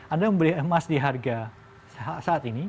anda membeli emas di harga saat ini